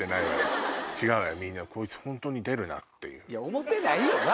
思てないよな？